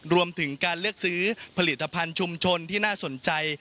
รวมถึงการเลือกซื้อผลิตภัณฑ์ชุมชนที่น่าสนใจ